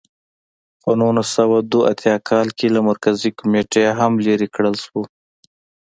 په نولس سوه دوه اتیا کال کې له مرکزي کمېټې هم لرې کړل شو.